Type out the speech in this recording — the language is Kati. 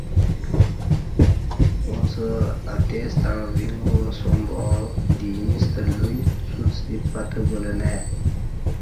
اُݩڅ انیستݩع ویݩگ گواسوم با دی ایݩستہ لوئ څوڅ دی پتہ بولہ نہ ائی